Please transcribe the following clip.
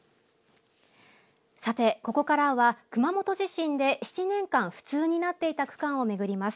さてここからは熊本地震で７年間不通になっていた区間を巡ります。